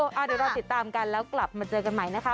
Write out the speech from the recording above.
เดี๋ยวเราติดตามกันแล้วกลับมาเจอกันใหม่นะคะ